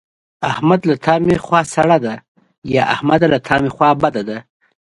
احمد له تا مې خوا سړه ده.